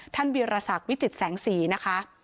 ท่านวิรสักวิจิตแสงสีนะคะ